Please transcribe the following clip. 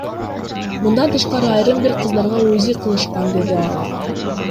Мындан тышкары айрым бир кыздарга УЗИ кылышкан, — деди ал.